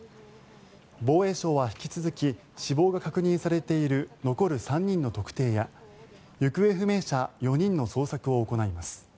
防衛省は引き続き死亡が確認されている残る３人の特定や行方不明者４人の捜索を行います。